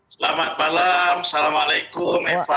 selamat malam assalamualaikum eva